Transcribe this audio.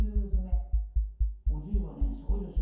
お重はねえすごいですよ